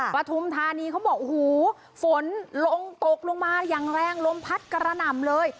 พัฐมธานีเขาบอกฝนลงตกลงมาอย่างเร่งลมพัดกรนำเลย